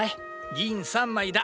銀３枚だ。